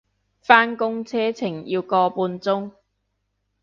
返工車程要個半鐘